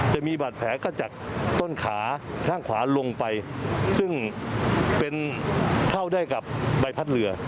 จะมีบาดแผลก็จากต้นขาข้างขวาลงไปซึ่งเป็นเข้าได้กับใบพัดเรือ